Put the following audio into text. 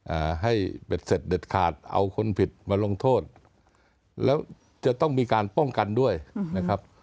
อ่าให้เบ็ดเสร็จเด็ดขาดเอาคนผิดมาลงโทษแล้วจะต้องมีการป้องกันด้วยนะครับ